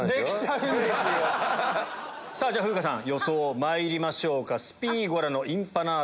さぁ風花さん予想まいりましょうか。